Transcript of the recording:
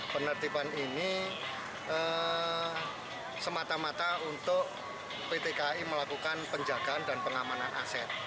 penertiban ini semata mata untuk pt kai melakukan penjagaan dan pengamanan aset